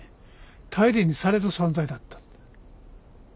頼りにされる存在だった。